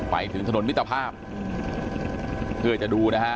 ไปถึงถนนมิตรภาพเพื่อจะดูนะฮะ